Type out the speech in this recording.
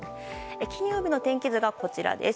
金曜日の天気図がこちらです。